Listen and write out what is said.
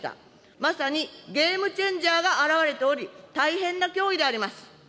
まさにゲームチェンジャーが現れており、大変な脅威であります。